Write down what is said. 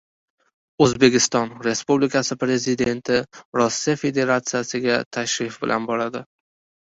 O‘zbekiston Respublikasi Prezidenti Rossiya Federatsiyasiga tashrif bilan boradi